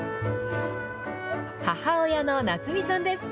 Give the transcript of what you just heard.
母親の夏美さんです。